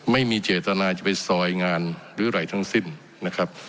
ไม่มีเจตนาจะไปซอยงานหรืออะไรทั้งสิ้นนะครับ